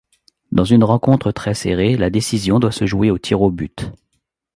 Dans une rencontre très serrée, la décision doit se jouer aux tirs au but.